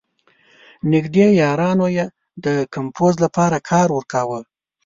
نېږدې یارانو یې د کمپوز لپاره کار ورکاوه.